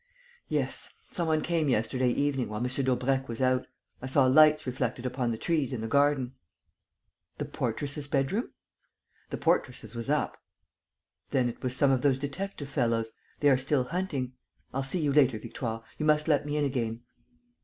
"Yes. Some one came yesterday evening, while M. Daubrecq was out. I saw lights reflected upon the trees in the garden." "The portress' bedroom?" "The portress was up." "Then it was some of those detective fellows; they are still hunting. I'll see you later, Victoire. You must let me in again."